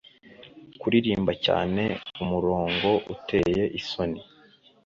kuririmba cyane umurongo uteye isoni